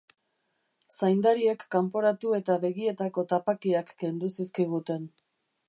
Zaindariek kanporatu eta begietako tapakiak kendu zizkiguten.